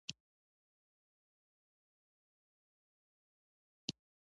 ناڅاپه د پنځوسو توپونو له خولو سرې لمبې را ووتې.